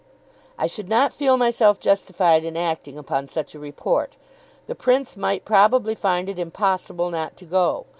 "I should not feel myself justified in acting upon such a report. The Prince might probably find it impossible not to go.